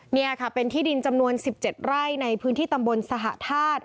นี่ค่ะเป็นที่ดินจำนวน๑๗ไร่ในพื้นที่ตำบลสหธาตุ